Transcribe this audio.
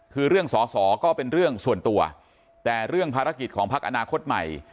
คือเรื่องสอสอก็เป็นเรื่องส่วนตัวแต่เรื่องภารกิจของพักอนาคตใหม่